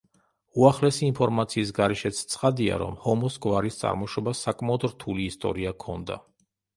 უახლესი ინფორმაციის გარეშეც ცხადია, რომ ჰომოს გვარის წარმოშობას საკმაოდ რთული ისტორია ჰქონდა.